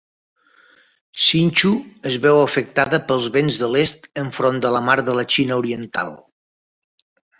Hsinchu es veu afectada pels vents de l'est enfront de la mar de la Xina Oriental.